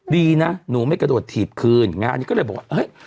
ดีนะหนูไม่กระโดดถีบคืนงานนี้ก็เลยบอกว่าเฮ้ย